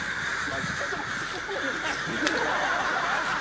ちょっと待って、ツッコまないんかい。